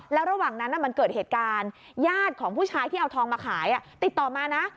แล้วระหว่างนั้นมันเกิดเหตุการณ์ญาติของผู้ชายที่เอาทองมาขายติดต่อมานะ